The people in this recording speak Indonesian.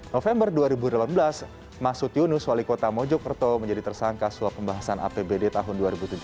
november dua ribu delapan belas masutinus wali kota mojokerto menjadi tersangka suap pembahasan apbd tahun dua ribu tujuh belas